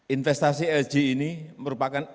investasi lg ini merupakan